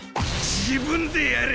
自分でやれ！